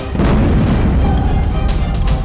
itu udah tau kalau mbak andin itu